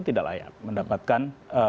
tidak layak mendapatkan